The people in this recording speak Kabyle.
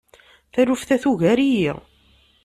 Taluft-a tugar-iyi.